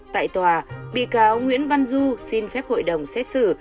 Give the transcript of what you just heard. tại tòa bị cáo nguyễn văn du xin phép hội đồng xét xử